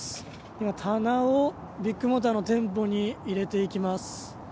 今、棚をビッグモーターの店舗に入れていきます。